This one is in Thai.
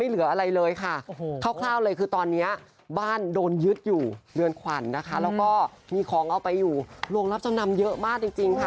แล้วก็มีของเอาไปอยู่รวงรับจำนำเยอะมากจริงค่ะ